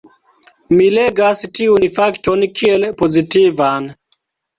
Mi legas tiun fakton kiel pozitivan.